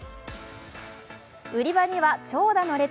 売り場には長蛇の列。